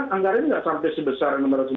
anggaran ini tidak sampai sebesar